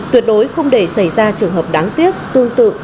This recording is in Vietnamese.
tuyệt đối không để xảy ra trường hợp đáng tiếc tương tự